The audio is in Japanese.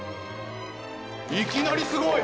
いきなりすごい。